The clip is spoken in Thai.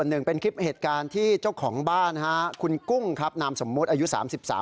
คุณมาชี้หน้าฉันเรื่องอะไรไม่ทราบค่ะ